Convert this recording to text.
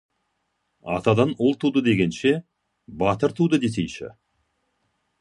Атадан ұл туды дегенше, батыр туды десейші.